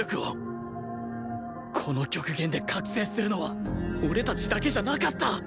この極限で覚醒するのは俺たちだけじゃなかった！